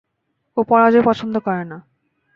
ও পরাজয় পছন্দ করে না!